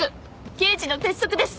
刑事の鉄則です。